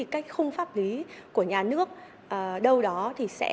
các khung pháp lý của nhà nước đâu đó sẽ chưa thể chạy theo kịp